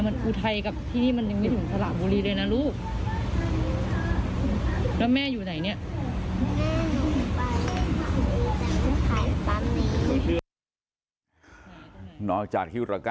นอกจากน่ะ